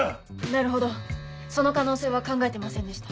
なるほどその可能性は考えていませんでした。